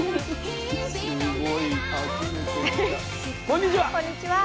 こんにちは。